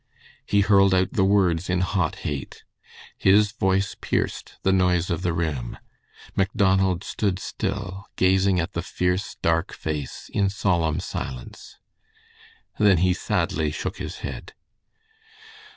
He hurled out the words in hot hate. His voice pierced the noise of the room. Macdonald stood still, gazing at the fierce, dark face in solemn silence. Then he sadly shook his head.